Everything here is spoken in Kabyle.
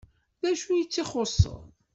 D acu i tt-ixuṣṣen?